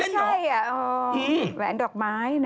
มันไม่ใช่อ๋อแหวนดอกไม้นะ